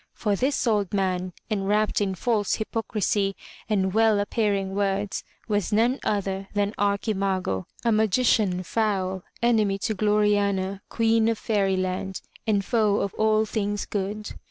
For this old man, enwrapped in false hypocrisy and well appear ing words, was none other than Ar chi ma'go, a magician foul, enemy to Gloriana, Queen of Faeryland, and foe of all things good.